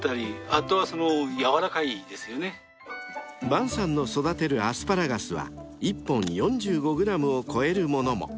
［伴さんの育てるアスパラガスは１本４５ｇを超えるものも］